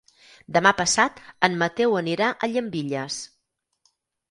Demà passat en Mateu anirà a Llambilles.